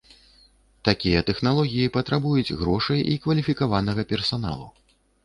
Такія тэхналогіі патрабуюць грошай і кваліфікаванага персаналу.